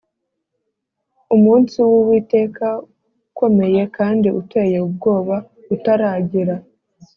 umunsi w’Uwiteka ukomeye kandi uteye ubwoba utaragera.